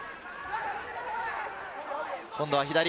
今度は左。